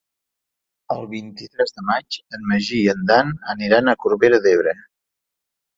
El vint-i-tres de maig en Magí i en Dan aniran a Corbera d'Ebre.